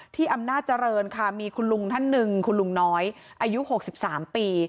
อำนาจเจริญค่ะมีคุณลุงท่านหนึ่งคุณลุงน้อยอายุ๖๓ปี